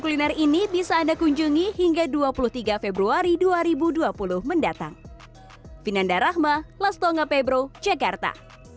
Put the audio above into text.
kuliner ini bisa anda kunjungi hingga dua puluh tiga februari dua ribu dua puluh mendatang vinanda rahma lastonga pebro jakarta